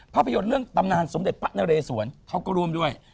ภาพยนตร์เรื่องตำนานสมเด็จพระนเรสวนเขาก็ร่วมด้วย